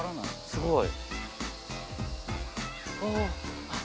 すごい！